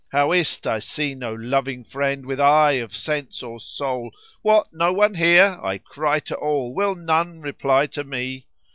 How is't I see no loving friend with eye of sense or soul? * What! no one here? I cry to all: will none reply to me?